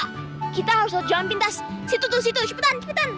kita harus jalan pintas situng situ cepetan cepetan